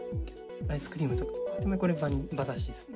アイスクリームとか、これ馬刺しですね。